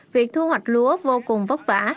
việc thu hoạch lúa vô cùng vất vả